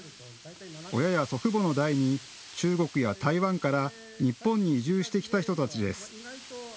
親や祖父母の代に中国や台湾から日本に移住してきた人たちです。